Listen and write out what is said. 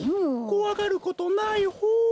こわがることないホー。